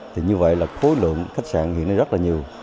thì như vậy là khối lượng khách sạn hiện nay rất là nhiều